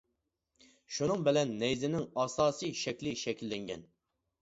شۇنىڭ بىلەن نەيزىنىڭ ئاساسىي شەكلى شەكىللەنگەن.